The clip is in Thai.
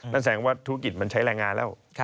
แสดงว่าธุรกิจมันใช้แรงงานแล้ว